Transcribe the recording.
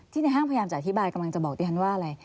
ที่ในห้างพยายามจะอธิบายกับมันจะบอกตีฮันว่าอะไร